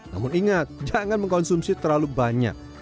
namun ingat jangan mengkonsumsi terlalu banyak